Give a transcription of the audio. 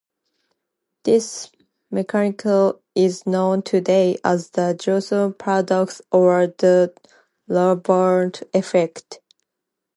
This mechanism is known today as the Jevons paradox or the rebound effect.